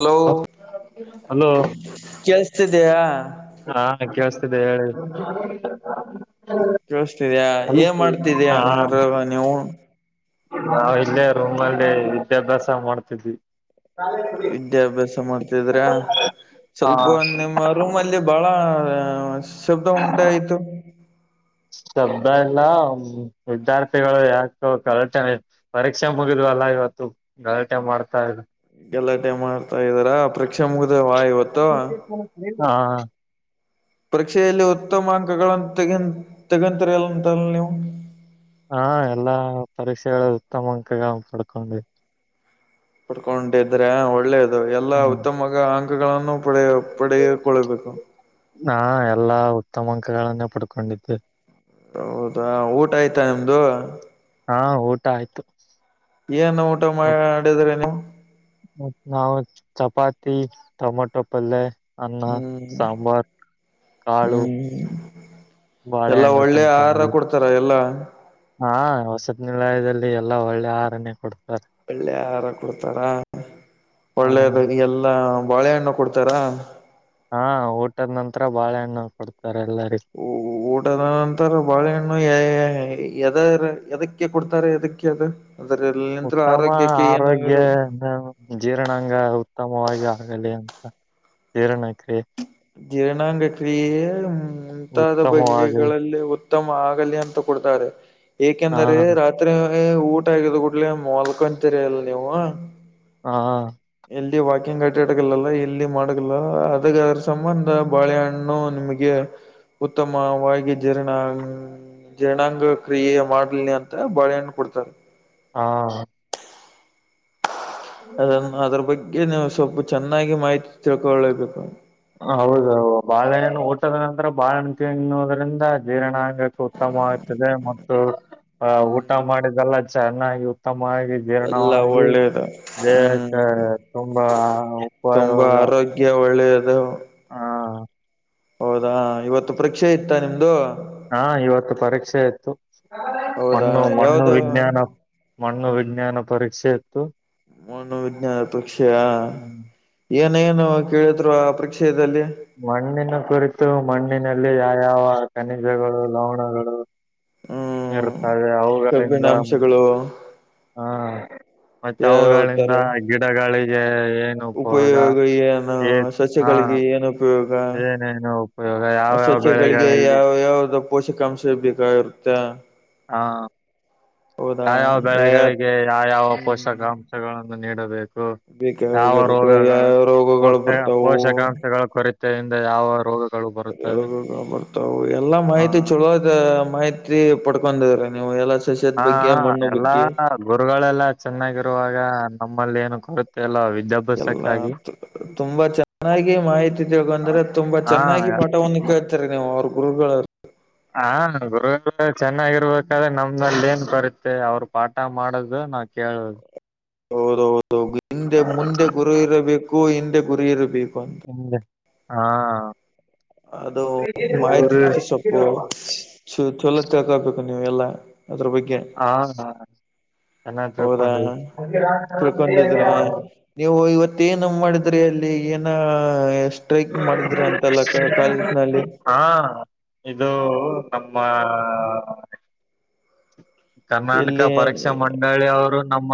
Hello hello ಕೇೇಳಸ್ತಿದಯಾ ಹಾ ಕೇೇಳಸ್ತಿದೆ ಹೇಳಿ. ಕೇಳಸ್ತಿದ್ಯಾ ಏನ್ ಮಾಡ್ತಿದಯ ನೀವ್ರ ನೀವು. ನಾವವು ಇಲ್ಲೇ ರೂಮ್ ಅಲ್ಲಿ ವಿದ್ಯಾಭ್ಯಾಸ ಮಾಡ್ತಿದ್ವಿ. ವಿದ್ಯಾಭ್ಯಾಸ ಮಾಡ್ತಿದ್ರ ಸ್ವಲ್ಪ ನಿಮ್ಮ ರೂಮ ಲ್ಲಿ ಬಹಳ ಶಬ್ದ ಉಂಟಾಯ್ತು. ಶಬ್ದ ಎಲ್ಲ ವಿದ್ಯಾರ್ಥಿಗಳು ಯಾಕು ಕಳತಾನೆ ಪರೀಕ್ಷೆ ಮುಗಿದ್ವ ಅಲ್ಲಾ ಇವತ್ತು ಗಲಾಟೆ ಮಾಡ್ತಾ ಇದ್ವಿ. ಗಲಾಟೆ ಮಾಡ್ತಾ ಇದ್ದಾರಾ ಪ್ರಕ್ಷಾ ಮುಗ್ದ ವಾ ಇವತ್ತು. ಹಾ ಪರೀಕ್ಷೆಯಲ್ಲಿ ಉತ್ತಮ ಅಂಕಗಳನ್ನು ತಗ ತೆಗಂತಿರಲ್ಲ ಅಂತಲ್ ನೀವು. ಹಾ ಎಲ್ಲಾ ಪರೀಕ್ಷೆಗಳು ಉತ್ತಮ ಅಂಕ ಪಡ್ಕೊಂಡಿ ಪಡ್ಕೊಂಡಿದ್ರೆ ಒಳ್ಳೇದು ಎಲ್ಲಾ ಉತ್ತಮ ಅಂಕಗಳನ್ನು ಪಡೆಯ ಪಡೆಯಕೊಳ್ಬೇಕು ನಾ ಎಲ್ಲಾ ಉತ್ತಮ ಅಂಕಗಳನ್ನೇ ಪಡ್ಕೊಂಡಿದ್ದೆ. ಹೌದಾ ಊಟ ಆಯ್ತಾ ನಿಮ್ದು? ಹಾ ಊಟ ಆಯ್ತು. ಏನ್ ಊಟ ಮಾಡಿದ್ರಿ ನೀವ? ಮ ನಾವ್ ಚಪಾತಿ ಟೊಮೊಟೊ ಪಲ್ಲೆ. ಅನ್ನ ಹ್ಮ್ ಸಾಂಬಾರ್ ಕಾಳು ಹ ಬಾಳೆ ಅಣ್ಣು ತಿನ್ಕೊಂಡ್ವಿ. ತರ ಎಲ್ಲಾ ಹಾ ವಸತಿ ನಿಲಯದಲ್ಲಿ ಎಲ್ಲಾ ಒಳ್ಳೆ ಆಹಾರಾನೇ ಕೊಡ ಒಳ್ಳೆ ಆಹಾರ ಕೊಡ್ತಾರ ಹ ಒಳ್ಳೆದು ಎಲ್ಲಾ ಬಾಳೆಹಣ್ಣು ಕೊಡ್ತಾರಾ? ಹಾ ಊಟದ್ ನಂತರ ಬಾಳೆಹಣ್ಣ ಕೊಡ್ತಾರೆ ಎಲ್ಲರಿಗು ಊ ಊ ಊಟದ ನಂತರ ಬಾಳೆಹಣ್ಣು ಯ ಯ ಎದರ್ ಎದಕ್ಕೆ ಕೊಡ್ತಾರೆ ಎದಕ್ಕೆ ಅದ? ಅದರಲ್ಲಿ ಉತ್ತಮ ಆರೋಗ್ಯ ಎಂದರೇನು? ಜೀರ್ಣಾಂಗ ಉತ್ತಮವಾಗಿ ಆಗಲಿ ಅಂತ ಜೀರ್ಣಕ್ರಿಯೆ. ಜೀರ್ಣಾಂಗ ಕ್ರಿಯೆ ಮುಂತಾದ ಉತ್ತಮವಾಗಿ ಬಗೆಗಳಲ್ಲಿ ಉತ್ತಮ ಆಗಲಿ ಅಂತ ಕೊಡ್ತಾರೆ ಹಾ ಏಕೆಂದರೆ ರಾ ಏ ಏ ಊಟ ಆಗಿದ್ ಕೂಡ್ಲೆ ಮಲ್ಕೊಂತೀರಿ ಅಲ್ ನೀವು ಹಾ ಇಲ್ಲಿ ವಾಕಿಂಗ್ ಅಡ್ಯಾಡಂಗಿಲ್ ಅಲಾ ಇಲ್ಲಿ ಮಡಿಗ್ಲಾ ಅದರ್ ಸಂಬಂಧ ಬಾಳೆಹಣ್ಣು ನಿಮಗ ಉತ್ತಮವಾಗಿ ಜೀರ್ಣ ಜೀರ್ಣಾಂಗ ಕ್ರಿಯೆ ಮಾಡ್ಲಿ ಅಂತ ಬಾಳೆಹಣ್ಣ ಕೊಡ್ತಾರ. ಹಾ ಅದನ್ನು ಅದ್ರ ಬಗ್ಗೆ ನೀವು ಸ್ವಲ್ಪ ಚೆನ್ನಾಗಿ ಮಾಹಿತಿ ತಿಳ್ಕೊಳ್ಳೇಬೇಕು. ಹೌದೌ ಬಾಳೆಹಣ್ಣು ಊಟದ ನಂತರ ಬಾಳೆಹಣ್ಣ ತಿನ್ನುವದ್ರಿಂದ ಜೀರ್ಣಾಂಗಕ್ಕೂ ಉತ್ತಮವಾಯ್ತದೇ ಮತ್ತು ಆ ಊಟ ಹ್ಮ್ ಮಾಡಿದೆಲ್ಲ ಚೆನ್ನಾಗಿ ಉತ್ತಮ ಆಗಿ ಎಲ್ಲ ಜೀರ್ಣವಾಗಿ ಒಳ್ಳೇದು ಹ್ಮ್ ದೇಹಕ್ಕೆ ತುಂಬಾ ಉಪಯೋಗ ಗೆ ಒಳ್ಳೆಯದು. ಹಾ ಹೌದಾ ಇವತ್ತು ಪರೀಕ್ಷೆ ಇತ್ತ ನಿಮ್ದು? ಹಾ ಇವತ್ತು ಪರೀಕ್ಷೆ ಇತ್ತು ಹೌದಾ ಮಣ್ಣು ಮಣ್ಣು ಯಾವ್ದು ವಿಜ್ಞಾನ. ಮಣ್ಣು ವಿಜ್ಞಾನ ಪರೀಕ್ಷೆ ಇತ್ತು. ಮನೋವಿಜ್ಞಾನ ಪರೀಕ್ಷೆಯಾ? ಏನೇನು ಕೇಳಿದ್ರು ಆ ಪರೀಕ್ಷಯದಲ್ಲಿ? ಮಣ್ಣಿನ ಕುರಿತು ಮಣ್ಣಿನಲ್ಲಿ ಯಾವ ಯಾವ ಖನಿಜಗಳು ಲವಣಗಳು ಹ್ಮ್ ಇರ್ತವೆ ಅವುಗಳಿಂದ ಕಬ್ಬಿಣಾಂಶಗಳು ಹಾ ಮತ್ತೆ ಯಾವ ತರ ಅವುಗಳಿಂದ ಗಿಡಗಳಿಗೆ ಏನ್ ಉಪಯೋಗ ಏನು ಹಾ ಸಸ್ಯಗಳಿಗೆ ಏನ ಉಪಯೋಗ? ಏನೇನು ಉಪಯೋಗ ಮ ಯಾವ್ಯಾವ ಸಸ್ಯಗಳಿಗೆ ಬೆಳೆಗಳಲ್ಲಿ ಯಾವ ಯಾವ್ದ ಪೋಷಕಾಂಶ ಬೇಕಾಗಿರುತ್ತೆ? ಹಾ ಹೌದಾ ಯಾವ್ಯಾವ ಯ ಬೆಳೆಗಳಿಗೆ ಯಾವ ಯಾವ ಪೋಷಕ ಹ್ಮ್ ಕಾಂಶಗಳನ್ನು ನೀಡಬೇಕು ಯಾವ ಬೇಕಾಗಿರ್ಬೇಕು ರೋಗಗಳು ಯಾವ ರೋಗಗಳು ಪೋಷ ಬರ್ತಾವು ಪೋಷಕಾಂಶಗಳು ಕೊರತ ಯಿಂದಾ ಯಾವ ರೋಗ ಹೌದಾನ ಬರ್ತಾವ ಎಲ್ಲಾ ಹ ಮಾಹಿತಿ ಚಲೋದ ಮಾಹಿತಿ ತಿ ಪಡ್ಕೊಂಡಿದ್ರ ನೀವು ಎಲ್ಲ ಸಸ್ಯದ ಹಾ ಬಗ್ಗೆ ಮಣ್ಣು ಎಲ್ಲಾ ಬಗ್ಗೆ. ಗುರುಗಳೆಲ್ಲ ಚೆನ್ನಾಗಿರುವಾಗ ನಮ್ಮಲ್ಲಿ ಏನು ಕೊರುತ್ತೆ ಅಲ್ಲ ಎಲ್ಲ ವಿದ್ಯಾಭ್ಯಾಸಕ್ಕಾಗಿ. ತುಂಬಾ ಚೆನ್ನಾಗಿ ಮಾಹಿತಿ ತಿಳ್ಕಂದ್ರೆ ತುಂಬಾ ಹಾ ಚೆನ್ನಾಗಿ ಪಾಠವನ್ನು ಕೆಲ್ಟ್ ತ್ತೀರಿ ನೀವ್ ಅವ್ರ್ ಗುರುಗಳು ಹ ಗುರು ಚೆನ್ನಾಗಿರ್ಬೇಕಾದ್ರೆ ನಮ್ದಲ್ಲಿ ಏನ್ ಕೊರತೆ ಅವರು ಪಾಠ ಮಾಡೋದು ನಾವ್ ಕೇಳ್ ಹೌದ ಹೌದು ಹಿಂದೆ ಮುಂದೆ ಗುರಿ ಇರಬೇಕು ಹಿಂದೆ ಗುರಿ ಇರಬೇಕು ಅಂತ ಇ ಹಾ ಅದು ಗುರು ಚ ಚಲೋ ತಿಳ್ಕೊಬೇಕು ನೀವು ಎಲ್ಲ ಅದ್ರ ಬಗ್ಗೆ. ಹಾ ಹಾ ಚೆನ್ನಾಗ ಹೌದಾ ತಿಳ್ಗೊಂದಿವಿ. ತಿಳ್ಕೊಂಡಿದ್ರ [unintelligible] ನೀವು ಇವತ್ತ ಏನ ಮಾಡಿದ್ರಿ ಅಲ್ಲಿ ಏನ ಎಷ್ಟ ಟ್ರೈಕ್ ಮಾಡಿದ್ರೆ ಅಂತಲ್ಲ ಕಾಲೇಜ್ ನಲ್ಲಿ. ಹಾ ಇದು ನಮ್ಮ ಕರ್ನಾಟಕ ಎಲ್ಲಿ ಪರೀಕ್ಷಾ ಮಂಡಳಿ ಅವರು ನಮ್ಮ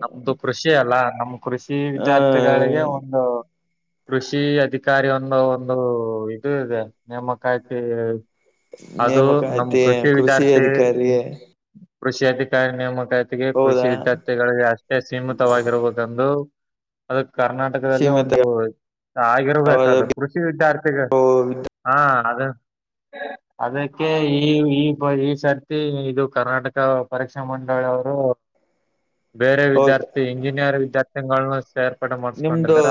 ನಮ್ದು ಕೃಷಿ ಅಲ್ಲ ನಮ ಕೃಷಿ ಆ ವಿದ್ಯಾರ್ಥಿಗಳಿಗೆ ಒಂದು ಕೃಷಿ ಅಧಿಕಾರಿ ಒಂದು ಒಂದು ಇದು ಇದೆ ನೇಮಕಾತಿ ಅದು ನೇಮಕ ನಮ್ಮ್ ಐತಿ ಕೃಷಿ ವಿದ್ಯಾರ್ಥಿ ಅಧಿಕಾರಿ ಕೃಷಿ ಅಧಿಕಾರಿ ನೇಮಕಾತಿಗೆ ಕೃಷಿ ಹೌದಾ ವಿದ್ಯಾರ್ಥಿಗಳಿಗೆ ಅಷ್ಟೇ ಸೀಮಿತವಾಗಿರ್ಬದಂದು ಅದ ಕರ್ನಾಟಕದಲ್ಲಿ ಸೀಮಿತ ಒಂದು ಆಗಿರಬೇಕದು ಅದು ಕೃಷಿ ವಿದ್ಯಾರ್ಥಿಗೆ ಹಾ ಅದ ಅದಕ್ಕೆ ಈ ಈ ಈ ಸರ್ತಿ ಇದು ಕರ್ನಾಟಕ ಪರೀಕ್ಷಾ ಮಂಡಳಿಯ ಅವರು ಬೇರೆ ಹೌದು ವಿದ್ಯಾರ್ಥಿ ಇಂಜಿನಿಯರ್ ವಿದ್ಯಾ ತಿಂಗಳನ್ನ ಸೇರ್ಪಡೆ ನಿಮ್ದು ಮಾಡಿಸ್ಕೊಂಡಿದ್ದಾರೆ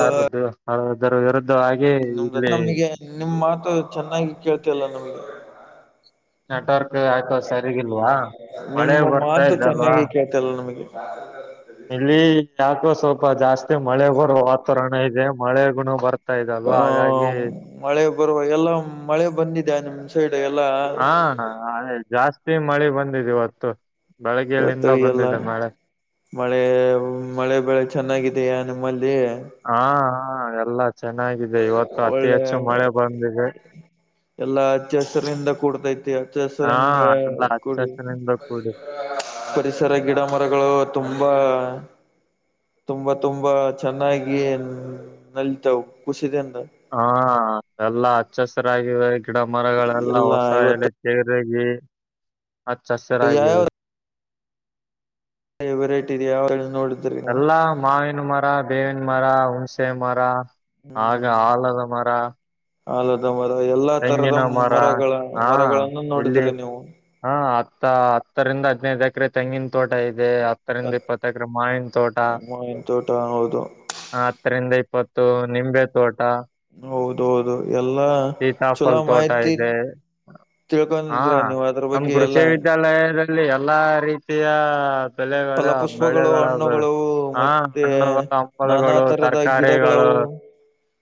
ಆದದರ ವಿರುದ್ಧ ಆ ನಮ್ದ ನಮಗೆ ನಿಮ್ ಮಾತು ಚೆನ್ನಾಗಿ ಕೇಳ್ತಲ್ಲ ನಮಗೆ. ನೆಟ್ವರ್ಕ್ ಯಾಕೊ ಸರಿಗಿಲ್ವಾ ಮಳೆ ಬರ್ತಾಯ್ತಲ್ವಾ. ತೆಲ್ಲ ನಮಗೆ. ಇಲ್ಲಿ ಯಾಕೋ ಸ್ವಲ್ಪ ಜಾಸ್ತಿ ಮಳೆ ಬರೊ ವಾತಾವರಣ ಇದೆ ಮಳೆ ಗುಣ ಬರತ್ ಹ ಮಳೆ ಬರುವ ಎಲ್ಲ ಮಳೆ ಬಂದಿದ್ಯಾ ನಿಮ್ ಸೈಡ್ ಎಲ್ಲಾ. ಹಾ ಹಾಗೆ ಜಾಸ್ತಿ ಮಳೆ ಬಂದಿದೆ ಇವತ್ತು ಇವತ್ತು ಬೆಳಗ್ಗೆಯಿಂದ ಎಲ್ಲ ಬಂದಿದೆ ಮಳೆ. ಮಳೆ ಮಳೆ ಬೆಳೆ ಚೆನ್ನಾಗಿದೆಯ ನಿಮ್ಮಲ್ಲಿ. ಹಾ ಹಾ ಎಲ್ಲ ಚೆನ್ನಾಗಿದೆ ಇವತ್ತು ಅತಿ ಒಳ್ಳೆ ಹೆಚ್ಚು ಮಳೆ ಬಂದಿದೆ. ಎಲ್ಲಾ ಹಚ್ಚ ಹಸರಿಂದ ಕೂಡ್ತೈತಿ ಹಚ್ಚ ಹಾ ಹಸರಿಂದ ಎಲ್ಲಾ ಹಚ್ಚ ಕುಡಿ ಹಸಿರಿನಿಂದ ಕೂಡಿ ಪರಿಸರ ಗಿಡ ಮರಗಳು ತುಂಬಾ. ತುಂಬಾ ತುಂಬಾ ಚೆನ್ನಾಗಿ ನಲ್ತವು ಖುಷಿದ್ ಇಂದ. ಹಾ ಎಲ್ಲಾ ಹಚ್ಚಸಿರಾಗಿವೆ ಗಿಡ ಮರಗಳೆಲ್ಲ ಎಲ್ಲಾ ಹೊಸ ಇವತ್ತು ಎಲೆ ತೆರೆಗಿ ಹಚ್ಚು ಯಾವ್ಯಾವ ಹಸರಾಗಿವೆ. ವೆರೈಟಿ ಇದೆಯಾ [unintelligible] ನೋಡುದ್ ಎಲ್ಲಾ ಮಾವಿನ ಮರ ಬೇವಿನ ಮರ ಹುಣಸೆ ಮರ. ಆಗ ಹ್ಮ್ ಹಾಲದ ಮರ. ಆಲದ ಮರ ಎಲ್ಲಾ ತರದ ತೆಂಗಿನ ಮರ ಮರಗಳ ಹಾ ಮರಗಳನ್ನು ಇಲ್ಲಿ ನೋಡಿದ್ರಿ ನೀವು. ಹಾ ಹತ್ತ ಹತ್ತರಿಂದ ಹದ್ನೈದು ಎಕರೆ ತೆಂಗಿನ ತೋಟ ಇದೆ. [unintelligible] ಇಪ್ಪತ್ತು ಎಕರೆ ಮಾವಿನ್ ತೋಟ. ಮಾವಿನ ತೋಟ ಹೌದು ಹತ್ತರಿಂದ ಇಪ್ಪತ್ತು ನಿಂಬೆ ತೋಟ. ಹೌದೌದು ಎಲ್ಲಾ ಚಲೋ ಸೀತಾಫಲ್ ತೋಟ ಮಾಹಿತಿ ಇದೆ ಹಾ ತಿಳ್ಕೊಂಡಿದ್ರ ನೀವು ಅದ್ರ ನಮ್ ಬಗ್ಗೆ ಕೃಷಿ ಎಲ್ಲಾ ವಿದ್ಯಾಲಯದ್ ಇಲ್ಲಿ ಎಲ್ಲಾ ರೀತಿಯ ಬೆಲೆಗಳು ಫಲಪುಷ್ಪಗಳು ಬೆಳೆಗಳು ಅವುಗಳ ಹಣ್ಣುಗಳು ಹಾ ಮತ್ತೆ ಹಣ್ಣು ನಾನಾ ಹಂಪಲಗಳು ತರದ ಗಿಡಗಳು ತರಕಾರಿಗಳು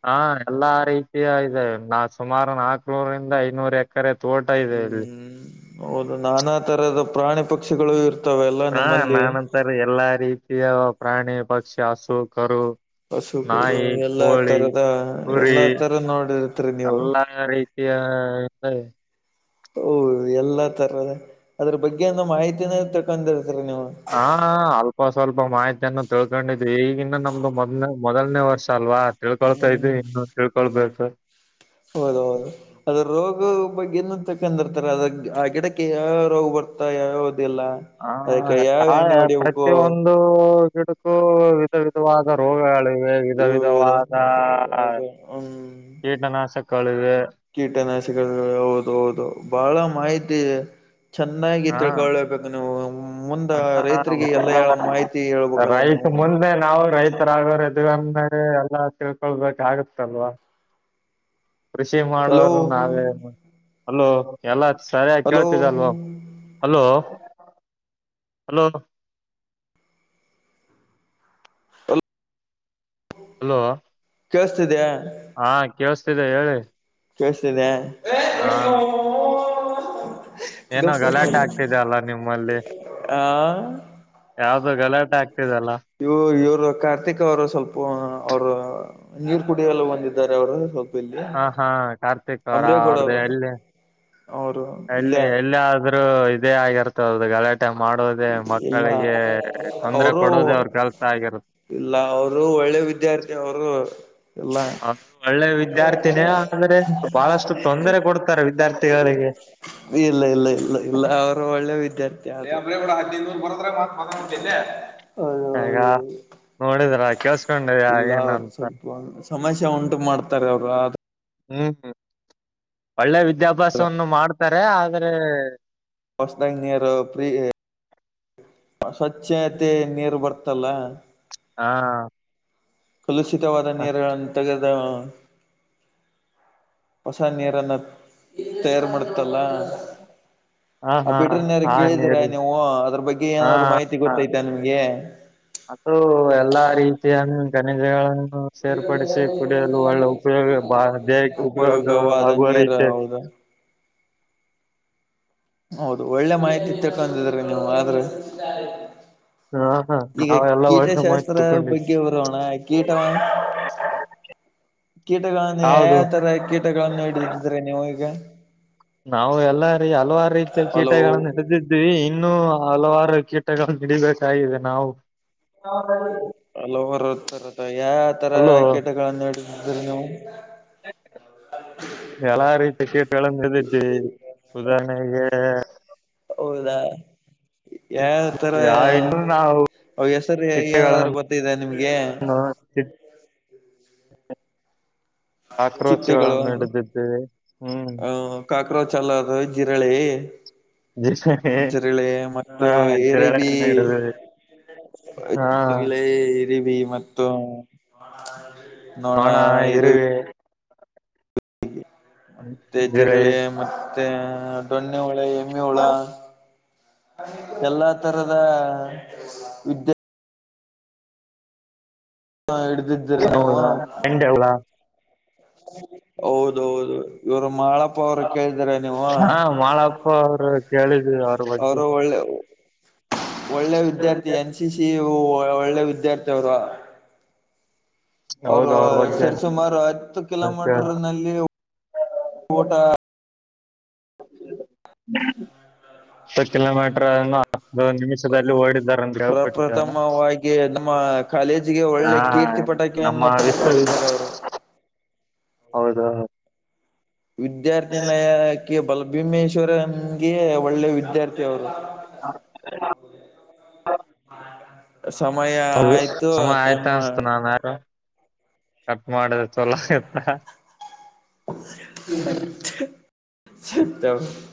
ಹಾ ಎಲ್ಲಾ ರೀತಿಯ ಇದೆ ನಾ ಸುಮಾರು ನಾಕ್ನೂರಿಂದ ಐದುವರೆ ಎಕರೆ ಕೆರೆ ತೋಟ ಇದೆ ಇಲ್ಲಿ. ಹ್ಮ್ ಹೌದು ನಾನಾ ತರದ ಪ್ರಾಣಿ ಪಕ್ಷಿಗಳು ಇರ್ತ ಹಾ ನಾನಂತಾರ ಎಲ್ಲಾ ರೀತಿಯ ಪ್ರಾಣಿ ಪಕ್ಷಿ ಹಸು ಕರು ಹಸು ಕರು ನಾಯಿ ಎಲ್ಲಾ ಕೋಳಿ ತರದ ಕುರಿ ಎಲ್ಲಾ ತರ ನೋಡಿರ್ತೀರಿ ನೀವು ಎಲ್ಲ ರೀತಿ ತೀಯಾ [unintelligible] ಓ ಎಲ್ಲ ತರದ ಅದ್ರ ಬಗ್ಗೆ ಒಂದ ಮಾಹಿತಿನೇ ತಿಳ್ಕೊಂಡಿರ್ತಿರಿ ನೀವು. ಹಾ ಅಲ್ಪ ಸ್ವಲ್ಪ ಮಾಹಿತಿಯನ್ನು ತಿಳ್ಕೊಂಡಿದ್ವಿ ಈಗಿನ್ನ ನಮ್ದ ಮೊದನೇ ಮೊದಲನೇ ವರ್ಷ ಅಲ್ವಾ ತಿಳ್ಕೊಳ್ತಾ ಹ್ಮ್ ಇದಿವಿ ಇನ್ನು ತಿಳ್ಕೊಳ್ಬೇಕು. ಹೌದು ಹೌದು ಅದ್ರ ರೋಗ ಬಗ್ಗೆನು ತಿಳ್ಕೊಂಡಿರ್ತಾರ ಅದ ಆ ಗಿಡಕ್ಕೆ ಯಾವ ರೋಗ ಬರ್ತಾ ಯಾವಾವದಿಲ್ಲ. ಹಾ [unintelligible] ಪ್ರತಿಯೊಂದು ಗಿಡಕೂ ವಿಧ ವಿಧ ವಿಧವಾದ ರೋಗಗಳಿವೆ ವಿಧ ಇವು ಇದು. ವಿಧವಾದ ಹ್ಮ್ ಕೀಟನಾಶಕ ಗಳಿವೆ. ಕೀಟನಾಶಕಗಳು ಹೌದು ಹೌದು ಬಹಳ ಮಾಹಿತಿ ಇದೆ. ಚೆನ್ನಾಗಿ ಹಾ ತಿಳ್ಕೊಳ್ಳೇಬೇಕು ನೀವು ಮುಂದ ರೈತರಿಗೆ ಎಲ್ಲ ಹಾ ಹೇಳ ಮಾಹಿತಿ ಹೇಳ್ಬೇಕಲ್ಲ ರೈತ ನೀವು. ಮುಂದೆ ನಾವು ರೈತರಾಗೋರು ಇದಿವಿ ಅಂದಮೇಲೆ ಎಲ್ಲಾ ತಿಳ್ಕೊಳ್ಬೇಕ ಆಗುತ್ತಲ್ವಾ. ಕೃಷಿ ಹಲೋ ಮಾಡೋರು ನಾವೇ ಹಲೋ ಎಲ್ಲ ಸರಿಯಾಗಿ ಹಲೋ ಕೇಳ್ತಿದೇಲ್ವ? ಹಲೋ ಹಲೋ ಹಲ ಹಲೋ ಕೇಳಸ್ತಿದೇಯಾ? ಹಾ ಕೆಳಸ್ತಿದೆ ಹೇಳಿ. ಕೇಳ್ಸ್ತಿದೆ ಹಾ ಏನೋ ಗಲಾಟೆ ಆಗ್ತಿದೇಯಲ್ಲ ನಿಮ್ಮಲ್ಲಿ? ಆ ಯಾವ್ದೋ ಗಲಾಟೆ ಆಗ್ತಿದೆಲ್? ಇವ ಇವರು ಕಾರ್ತಿಕ್ ಅವರು ಸ್ವಲ್ಪ ಅವ್ರ ನೀರ್ ಕುಡಿಯಲು ಬಂದಿದ್ದಾರೆ ಅವರು ಸ್ವಲ್ಪ ಇಲ್ಲಿ ಹ ಹಾ ಕಾರ್ತಿಕ್ ಅವ್ರ ಅಂಬ್ರೇಗೌಡ ಅವ್ರ್ದ ಅವರು ಎಲ್ಲಿ ಅವರು ಇಲ್ಲ ಎಲ್ಲಿ ಎಲ್ಲ ಆದ್ರೂ ಇದೇ ಆಗಿರ್ತ್ [unintelligible] ಟ್ಟ ಮಾಡೋದೇ ಇಲ್ಲ ಮಕ್ಕಳಿಗೆ ತೊಂದರೆ ಅವರು ಕೊಡುವುದೇ ಅವ್ರ ಕೆಲ್ಸ ಆಗಿರುತ್ತೆ. ಇಲ್ಲ ಅವರು ಒಳ್ಳೆ ವಿದ್ಯಾರ್ಥಿ ಅವರು ಇಲ್ಲ ಅದು ಒಳ್ಳೆ ವಿದ್ಯಾರ್ಥಿನೇ ಆದ್ರೆ ಬಹಳಷ್ಟು ತೊಂದರೆ ಕೊಡ್ತಾರೆ ವಿದ್ಯಾರ್ಥಿಗಳಿಗೆ ಇಲ್ಲ ಇಲ್ಲ ಇಲ್ಲ ಇಲ್ಲ ಅವರು ಒಳ್ಳೆ ವಿದ್ಯಾರ್ಥಿ. [unintelligible] [unintelligible] ನೋಡಿದ್ರ ಕೇಳಸ್ಕೊಂಡಿದ್ಯಾ ಇಲ್ಲ ಏನ ಅವರು ಅಂತ ಸ್ವಲ್ಪ ಸಮಸ್ಯೆ ಉಂಟು ಮಾಡ್ತಾರೆ ಅವರು ಆದ ಹ್ಮ್ ಹ್ಮ್ ಒಳ್ಳೆ ವಿದ್ಯಾಭ್ಯಾಸವನ್ನು ಮಾಡ್ತಾರೆ ಆದ್ರೆ ಹೊಸದಾಗಿ ನೀರು ಪ್ರೀ ಸ್ವಚ್ಛತೆ ನೀರು ಬರ್ತಲ್ಲ ಹಾ ಕಲುಷಿತವಾದ ನೀರಗಳನ್ನು ತೆಗೆದ ಹೊಸ ನೀರನ್ನ ತಯಾರ ಮಾಡುತ್ತಲ್ಲ ಹಾ ಆ ಹಾ ಬಿಟ್ರನ್ ಹಾ ಕೇಳಿದೀರಾ ನೀರಿ ನೀವು ಅದ್ರ ಬಗ್ಗೆ ಹಾ ಏನಾದ್ರು ಮಾಹಿತಿ ಗೊತ್ತೈತಾ ನಿಮ್ಗೆ? ಅದು ಎಲ್ಲಾ ರೀತಿಯನ್ನು ಖಣಿಜಗಳನ್ನು. ಸೇರ್ಪಡಿಸಿ ಕುಡಿಯಲು ಒಳ್ಳೆ ಉಪಯೋಗ ಬಾರದೇ ಉಪಯೋಗ ಉಪಯೋಗವಾದ ಆಗುವ ನೀರು ರೀತೆ. ಹೌದು ಹೌದು ಒಳ್ಳೆ ಮಾಹಿತಿ ತಿಳ್ಕೊಂಡಿದಿರಿ ನೀವು ಆದ್ರೆ. ಹ ಹ ಈಗ ನಾವೆಲ್ಲಾ ಒಳ್ಳೆ ಮಾಹಿತಿ ಕೀಟಶಾಸ್ತ್ರ ತಿಳ್ಕೊಂಡಿ ಬಗ್ಗೆ ಬರೋಣ ಕೀಟ. ಕೀಟಗಳನ್ನು ಹೌದು ಯಾಯಾವ ತರ ಕೀಟಗಳನ್ನು ಹಿಡ್ಡಿದ್ರಿ ನೀವು ಈಗ. ನಾವು ಎಲ್ಲ ರೀ ಹಲವಾರ ರೀತಿಯ ಹಲವು ಕೀಟಗಳನ್ನು ಹಿಡಿದ. ವಿ ಇನ್ನು ಹಲವಾರು ಕೀಟಗಳು ಹಿಡಿ ಬೇಕಾಗಿದೆ ನಾವು. ಹಲವಾರು ತರ ಯಾಯಾ ತರದ ಅಲ್ಲೋ ಕೀಟಗಳಗಳನ್ನು ಹಹಿಡ್ಡಿದ್ರಿ ನೀವು. ಎಲ್ಲಾ ರೀತಿ ಕೀಟಗಳ ಹಿಡಿದಿಡ್ವಿ ಉದಾಹರಣೆಗೆ. ಹೌದಾ ಯಾವ್ಯಾವತರ. ಯಾ ಇನ್ನು ನಾವು ಅವ ಹೆಸರಿ ಏನಾದ್ರು ಗೊತ್ತಿದೆ ನಿಮ್ಗೆ. ಹಾ ತಿಧ್. ಚಿಟ್ಟೆಗಳು ಕೊಕ್ರೋಚ್ಗಳನ್ನ ಹಿಡಿದಿಡ್ವಿ ಹ್ಮ್. ಕಾಕ್ರೋಚ್ ಅಲ್ಲದು ಜಿರಳೆ. ಹ್ಮ್ ಜಿರಳೆ ಮತ್ತು ಹಾ ಜಿರಳೆ ಇರಬಿ. ಹಣ್ಣು ಹಿಡಿದು ಹಾ ಜಿರಳೆ ಇರಿಬಿ ಮತ್ತು ನೋಣ ಇರು. ಮತ್ತೆ ಜಿರಳೆ ಮತ್ತೆ ದೊಣ್ಣೆ ಹುಳ ಎಮ್ಮೆ ಹುಳ. ಎಲ್ಲಾ ತರದ ವಿದ್ಯ. ಹಾ ಹಿಡ್ದಿದ್ದೀರಿ ನೀವು. ಹೌದಾ ಎಂಡೆ ಹೌದ ಹೌದೌದು ಇವರ ಮಾಳ. ಅಪ್ಪ ಅವ್ರು ಕೇಳಿದರ ನೀವು ಹಾ ಮಾಳಪ್ಪ ಅವರು ಕೇಳಿದ್ವಿ ಅವ್ರ ಬಗ್ಗೆ ಅವರು ಒಳ್ಳೆ. ಒಳ್ಳೆ ವಿದ್ಯಾರ್ಥಿ ಎನ್ ಸಿ ಸಿ ಒಳ್ಳೆ ವಿದ್ಯಾರ್ಥಿ ಅವರು. ಅವರು ಹೌದು ಅವ್ರ ಬಗ್ಗೆ ಸರಿ ಸುಮಾರು ಹತ್ತು ಕಿಲೋಮೀಟರ್ ಹತ್ತು ನಲ್ಲಿ ಊಟ. [inaudible] ಹತ್ತು ಕಿಲೋಮೀಟರ್ನ್ನು ಹತ್ತು ನಿಮಿಷದಲ್ಲಿ ಓಡಿದ್ದಾರೆ. ಯಾವ ಪ್ರ ಪೆಟ್ ಗಾಣ ಪ್ರಥಮವಾಗಿ ನಮ್ಮ ಕಾಲೇಜಿಗೆ ಹಾ ಒಳ್ಳೆ ಕೀರ್ತಿ ನಮ್ಮ. ಪಟಾಕಿಯನ್ನು ತಂದುಕೊಟ್ಟಿದ್ದಾರೆ ಅವರು ಹೌದಾ. ವಿದ್ಯಾರ್ಥಿನಲಯಕಿ ಬಲಭೀಮೇಶ್ವರನ್ಗೆ ಒಳ್ಳೆ ವಿದ್ಯಾರ್ಥಿ ಅವರು. [unintelligible] ಸಮಯ ಹೌದು ಆಯ್ತು ಸಮಯ ಆಯ್ತ ತಮ್ಮ. [unintelligible] ಕಟ್ ಮಾಡಿದ್ರ ಚಲೋ ಇತ್ತ. ಸತ್ತೇವ್.